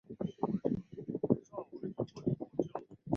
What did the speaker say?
大圆颌针鱼为颌针鱼科圆颌针鱼属的鱼类。